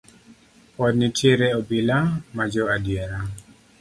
Pod nitiere obila ma jo adiera.